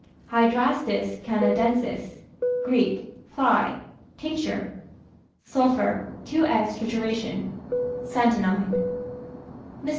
Hydrastis canadensis, [Greek: phi] tincture. Sulphur, 2^{×} trituration. Santonine. Mr.